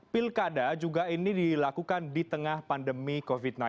pilkada juga ini dilakukan di tengah pandemi covid sembilan belas